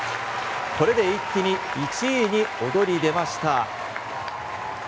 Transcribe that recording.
これで一気に１位に躍り出ました。